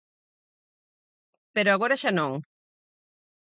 Pero agora xa non.